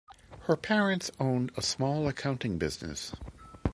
Her parents owned a small accounting business.